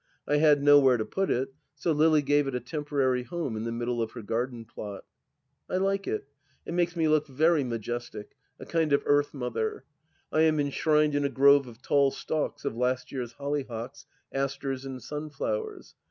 I had nowhere to put it, so Lily gave it a temporary home in the middle of her garden plot. I like it. It makes me look very majestic — a kind of Earth Mother. I am enshrined in a grove of tall stalks of last year's hollyhocks, asters and sunflowers.